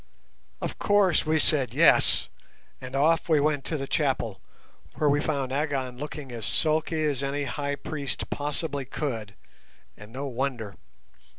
Of course we said yes, and off we went to the chapel, where we found Agon looking as sulky as any High Priest possibly could, and no wonder.